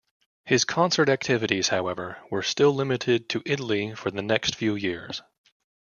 His concert activities, however, were still limited to Italy for the next few years.